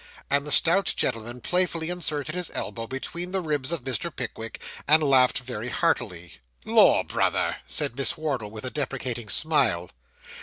And the stout gentleman playfully inserted his elbow between the ribs of Mr. Pickwick, and laughed very heartily. 'Lor, brother!' said Miss Wardle, with a deprecating smile.